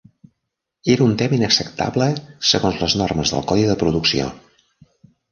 Era un tema inacceptable segons les normes del codi de producció.